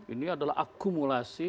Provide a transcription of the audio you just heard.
ini adalah akumulasi